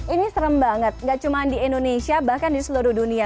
ini serem banget gak cuma di indonesia bahkan di seluruh dunia